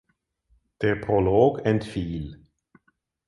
Der Prolog entfiel.